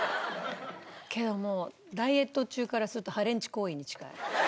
けどもうダイエット中からするとハレンチ行為に近い。